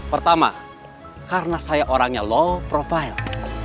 pertama karena saya orangnya low profile